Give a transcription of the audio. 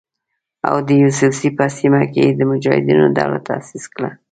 او د یوسفزیو په سیمه کې یې د مجاهدینو ډله تاسیس کړه.